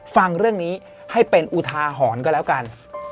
ฟังเรื่องนี้ให้เป็นอุทาหรณ์ก็แล้วกัน